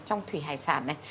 trong thủy hải sản này